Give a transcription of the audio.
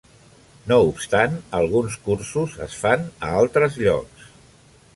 No obstant, alguns cursos es fan a altres llocs.